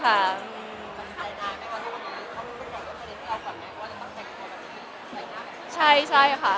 คือคุณซักคนต้องกำลังกินได้ไม๊การใส่หน้าขึ้นไหม